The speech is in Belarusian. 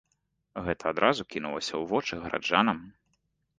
Гэта адразу кінулася ў вочы гараджанам.